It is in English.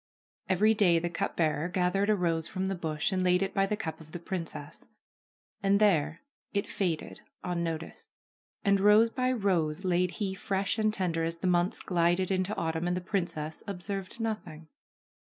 Every day the cup bearer gathered a rose from the bush and laid it by the cup of the princess; and there it faded, unnoticed. And rose by rose laid he fresh and tender as the months glided into autumn, and the princess observed nothing.